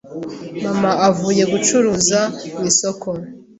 mama avuye gucuruza mu isoko